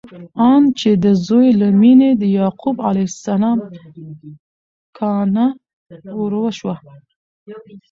آن چې د زوی له مینې د یعقوب علیه السلام کانه وروشوه!